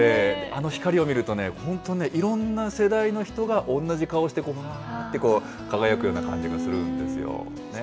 あの光を見るとね、本当、いろんな世代の人が同じ顔して、うわーって輝くような感じがするんですよ。